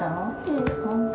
本当？